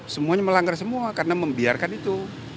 semuanya melanggar semua karena membiarkan itu